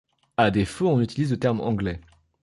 À défaut, on utilise le terme anglais.